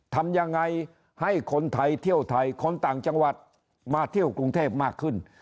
ทำยังไงให้คนไทยเที่ยวไทยคนต่างจังหวัดมาเที่ยวกรุงเทพมากขึ้น